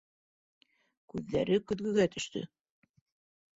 Күҙҙәре көҙгөгә төштө.